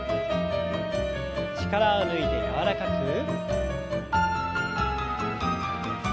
力を抜いて柔らかく。